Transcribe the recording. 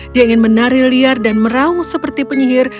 dia ingin menari liar dan meraung seperti penyihir